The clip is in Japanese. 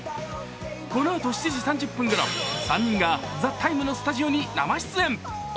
このあと７時３０分ごろ、３人が「ＴＨＥＴＩＭＥ，」のスタジオに生出演お